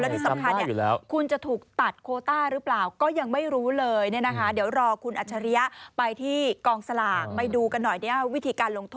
แล้วที่สำคัญคุณจะถูกตัดโควต้าหรือเปล่าก็ยังไม่รู้เลยนะคะ